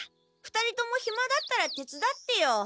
２人ともひまだったらてつだってよ。